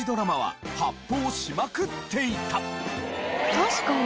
確かに。